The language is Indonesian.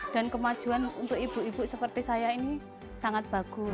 dan kemajuan untuk ibu ibu seperti saya ini sangat bagus